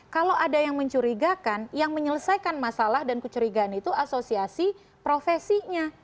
kalau ada yang mencurigakan yang menyelesaikan masalah dan kecurigaan itu asosiasi profesinya